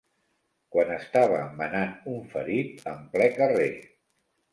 Quan estava embenant un ferit, en ple carrer